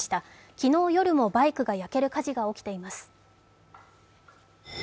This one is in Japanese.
昨日夜もバイクが焼ける火事が起きています。